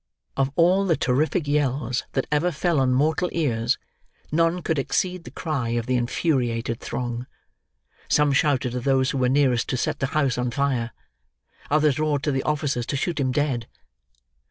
Of all the terrific yells that ever fell on mortal ears, none could exceed the cry of the infuriated throng. Some shouted to those who were nearest to set the house on fire; others roared to the officers to shoot him dead.